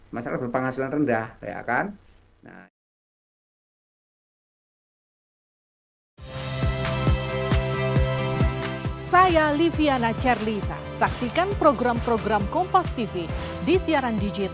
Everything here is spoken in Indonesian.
masalah berpenghasilan rendah ya kan